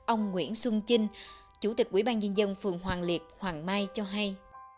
ông nguyễn xuân chinh chủ tịch quỹ ban nhân dân phường hoàng liệt hoàng mai cho hay